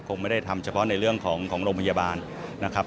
คงไม่ได้ทำเฉพาะในเรื่องของโรงพยาบาลนะครับ